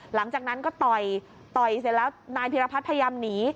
หลังจากนั้นก็ต่อยต่อยเสร็จแล้วนายพิรพัฒน์พยายามหนี